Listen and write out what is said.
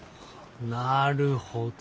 なるほど。